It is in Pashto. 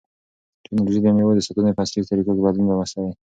تکنالوژي د مېوو د ساتنې په عصري طریقو کې بدلون راوستی دی.